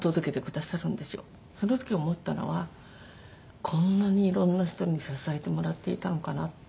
その時思ったのはこんなにいろんな人に支えてもらっていたのかなって。